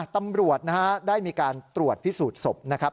ตำรวจนะฮะได้มีการตรวจพิสูจน์ศพนะครับ